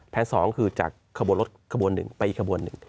แผน๒คือจากขบวนรถขบวน๑ไปอีกขบวน๑